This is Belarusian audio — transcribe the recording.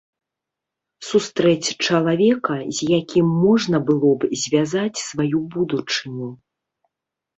Сустрэць чалавека, з якім можна было б звязаць сваю будучыню.